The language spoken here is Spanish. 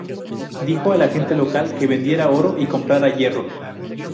Dijo a la gente local que vendiera oro y comprara hierro.